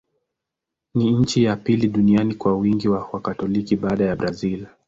Ni nchi ya pili duniani kwa wingi wa Wakatoliki, baada ya Brazil.